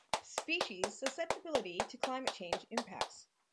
Species susceptibility to climate change impacts.